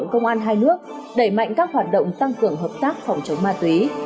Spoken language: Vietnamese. công an hai nước đẩy mạnh các hoạt động tăng cường hợp tác phòng chống ma túy